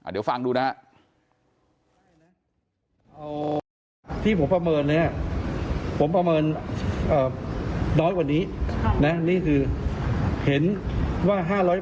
เดี๋ยวฟังดูนะฮะ